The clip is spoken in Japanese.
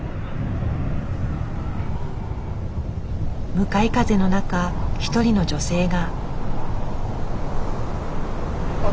向かい風の中一人の女性が。